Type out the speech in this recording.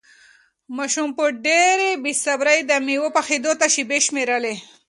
ماشوم په ډېرې بې صبري د مېوې پخېدو ته شېبې شمېرلې.